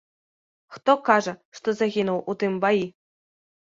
Хто кажа, што загінуў у тым баі.